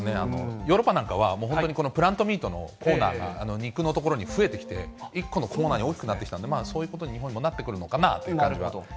ヨーロッパなんかは、本当にプラントミートのコーナーが、肉のところに増えてきて、一個のコーナーに大きくなってきたんで、そういうことにも日本もなってくるのかなと。